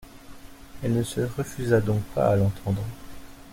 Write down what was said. Elle ne se refusa donc pas à l’entendre.